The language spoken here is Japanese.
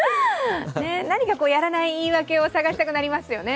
何かやらない言い訳を探したくなりますよね。